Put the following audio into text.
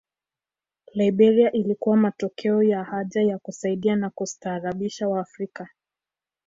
Liberia ilikuwa matokeo ya haja ya kusaidia na kustaarabisha Waafrika